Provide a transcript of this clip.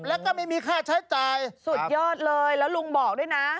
แล้วก็ไม่มีค่าใช้จ่ายสุดยอดเลยแล้วลุงบอกด้วยนะ